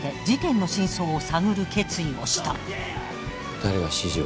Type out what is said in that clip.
誰が指示を？